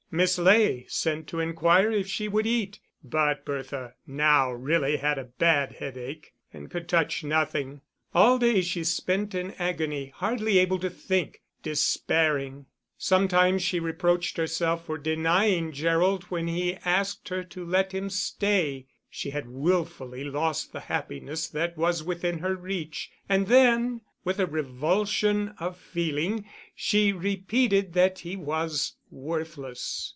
Miss Ley sent to inquire if she would eat, but Bertha now really had a bad headache, and could touch nothing. All day she spent in agony, hardly able to think despairing. Sometimes she reproached herself for denying Gerald when he asked her to let him stay, she had wilfully lost the happiness that was within her reach: and then, with a revulsion of feeling, she repeated that he was worthless.